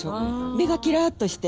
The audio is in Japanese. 目がキラッとして。